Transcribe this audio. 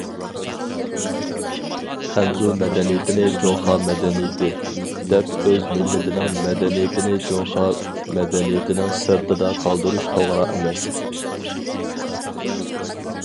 خەنزۇ مەدەنىيىتىنى جۇڭخۇا مەدەنىيىتى، دەپ ئۆز مىللىتىنىڭ مەدەنىيىتىنى جۇڭخۇا مەدەنىيىتىنىڭ سىرتىدا قالدۇرۇش توغرا ئەمەس.